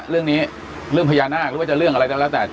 เรื่องนี้เรื่องพญานาคหรือว่าจะเรื่องอะไรตั้งแต่